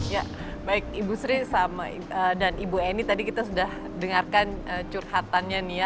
ya baik ibu sri dan ibu eni tadi kita sudah dengarkan curhatannya nih ya